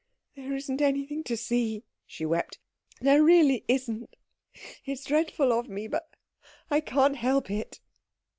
"There isn't anything to see," she wept, "there really isn't. It is dreadful of me, but I can't help it."